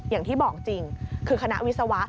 อย่างที่บอกจริงคือคณะวิศวะ